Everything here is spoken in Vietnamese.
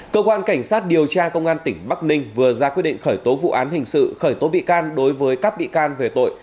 cơ quan cảnh sát điều tra công an tỉnh bắc ninh vừa ra quyết định khởi tố vụ án hình sự khởi tố bị can đối với các bị can về tội